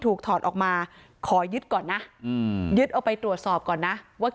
ถอดออกมาขอยึดก่อนนะยึดเอาไปตรวจสอบก่อนนะว่า